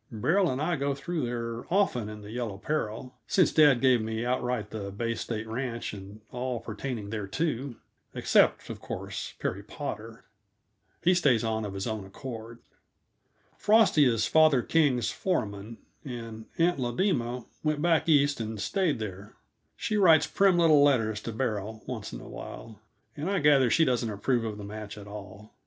Beryl and I go through there often in the Yellow Peril, since dad gave me outright the Bay State Ranch and all pertaining thereto except, of course, Perry Potter; he stays on of his own accord. Frosty is father King's foreman, and Aunt Lodema went back East and stayed there. She writes prim little letters to Beryl, once in awhile, and I gather that she doesn't approve of the match at all.